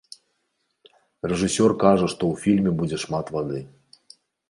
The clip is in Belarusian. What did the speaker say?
Рэжысёр кажа, што ў фільме будзе шмат вады.